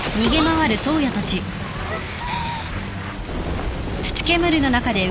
あっ！